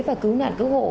và cứu nạn cứu hộ